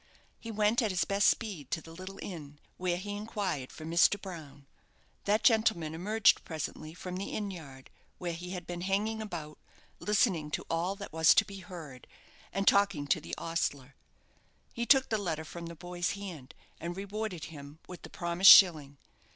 He went at his best speed to the little inn, where he inquired for Mr. Brown. That gentleman emerged presently from the inn yard, where he had been hanging about, listening to all that was to be heard, and talking to the ostler. He took the letter from the boy's hand, and rewarded him with the promised shilling.